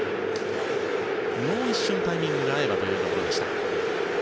もう一瞬、タイミングが合えばというところでした。